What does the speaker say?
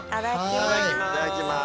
いただきます。